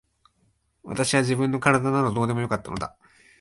私は自分の体などどうでもよかったのだ。